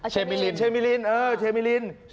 เชเมรินเชเมรินเออเชเมริน